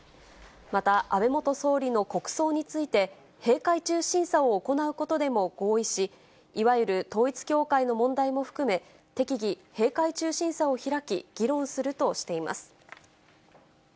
また安倍元総理の国葬について、閉会中審査を行うことでも合意し、いわゆる統一教会の問題も含め、適宜、閉会中審査を開き、議論するとしています。